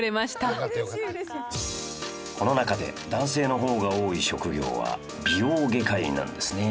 この中で男性の方が多い職業は美容外科医なんですね。